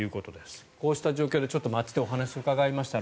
こうした状況で街でお話を伺いました。